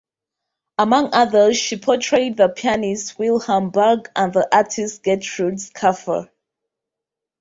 Among others she portrayed the pianist Wilhelm Barg and the artist Gertrud Schaeffer.